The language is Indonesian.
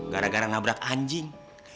gara gara nabrak anjing